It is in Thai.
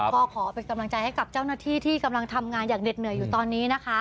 ก็ขอเป็นกำลังใจให้กับเจ้าหน้าที่ที่กำลังทำงานอย่างเด็ดเหนื่อยอยู่ตอนนี้นะคะ